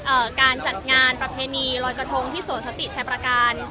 การจัดงานประเพณีลอยกระทงที่สวนสติชัยประการ